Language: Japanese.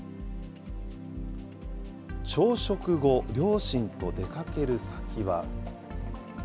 朝食後、両親と出かける先は。